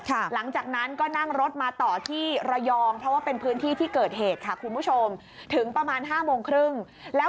หลังจากนั้นก็นั่งรถมาต่อที่ระยองเพราะว่าเป็นพื้นที่ที่เกิดเหตุค่ะคุณผู้ชมถึงประมาณห้าโมงครึ่งแล้ว